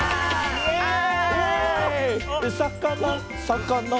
イエーイ！